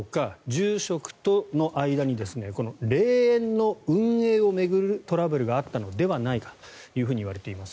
住職との間に霊園の運営を巡るトラブルがあったのではないかといわれています。